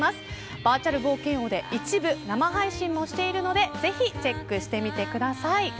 バーチャル冒険王で一部生配信もしているのでぜひチェックしてみてください。